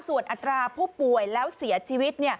ส่วนอัตราผู้ป่วยแล้วเสียชีวิต